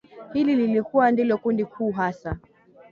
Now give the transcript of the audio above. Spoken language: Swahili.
Hili lilikuwa ndilo kundi kuu hasa